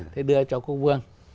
thế đưa cho quốc vương